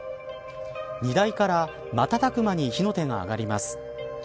荷台から瞬く間に火の手が上がります。